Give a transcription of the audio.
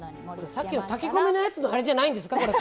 さっきの炊き込みのやつのあれじゃないんですか。